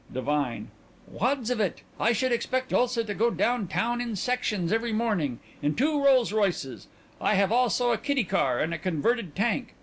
DIVINE: Wads of it. I should expect Ulsa to go down town in sections every morning in two Rolls Royces. I have also a kiddy car and a converted tank.